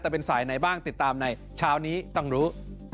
แต่เป็นสายไหนบ้างติดตามในเช้านี้ต้องรู้